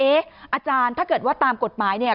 อาจารย์ถ้าเกิดว่าตามกฎหมายเนี่ย